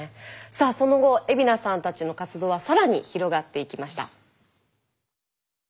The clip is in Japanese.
さあその後海老名さんたちの活動は更に広がっていきました。